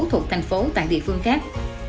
thuộc thành phố tại địa phương khác